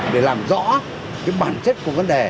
để làm rõ cái bản chất của vấn đề